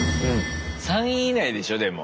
３位以内でしょでも。